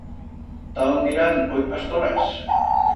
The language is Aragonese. Ta on dirán hoi pastoras.